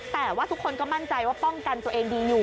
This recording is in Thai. แต่ว่าทุกคนก็มั่นใจว่าป้องกันตัวเองดีอยู่